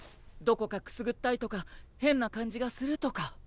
どこかくすぐったいとか変な感じがするとか？